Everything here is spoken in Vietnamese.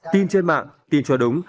tin trên mạng tin cho đúng